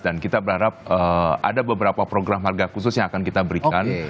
dan kita berharap ada beberapa program harga khusus yang akan kita berikan